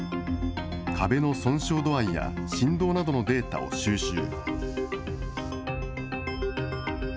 壁の損傷度合いや振動などのデータを収集。